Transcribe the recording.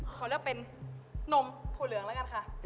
ขอเลือกเป็นนมถั่วเหลืองแล้วกันค่ะ